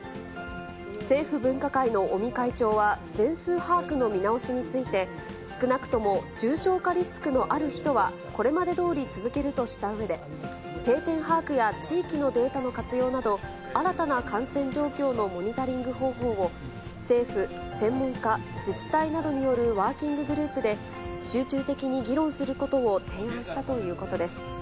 政府分科会の尾身会長は、全数把握の見直しについて、少なくとも重症化リスクのある人は、これまでどおり続けるとしたうえで、定点把握や地域のデータの活用など、新たな感染状況のモニタリング方法を、政府、専門家、自治体などによるワーキンググループで、集中的に議論することを提案したということです。